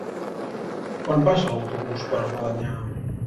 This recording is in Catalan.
Quan passa l'autobús per Balenyà?